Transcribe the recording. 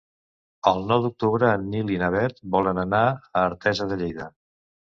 El nou d'octubre en Nil i na Bet volen anar a Artesa de Lleida.